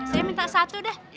saya minta satu deh